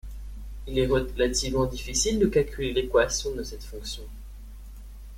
Il est relativement difficile de calculer l'équation de cette fonction.